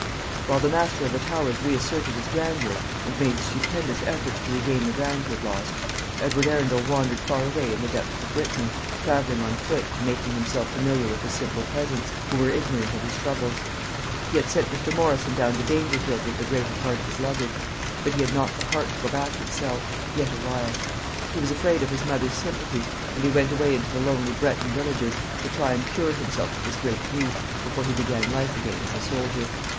While the master of the Towers re asserted his grandeur, and made stupendous efforts to regain the ground he had lost, Edward Arundel wandered far away in the depths of Brittany, travelling on foot, and making himself familiar with the simple peasants, who were ignorant of his troubles. He had sent Mr. Morrison down to Dangerfield with the greater part of his luggage; but he had not the heart to go back himself yet awhile. He was afraid of his mother's sympathy, and he went away into the lonely Breton villages, to try and cure himself of his great grief, before he began life again as a soldier.